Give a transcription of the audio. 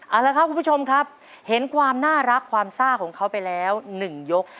เอาละครับคุณผู้ชมครับเห็นความน่ารักความซ่าของเขาไปแล้ว๑ยก